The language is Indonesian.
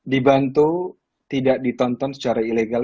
dibantu tidak ditonton secara ilegal